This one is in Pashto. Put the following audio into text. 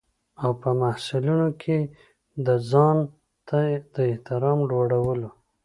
او په محصلینو کې د ځانته د احترام لوړولو.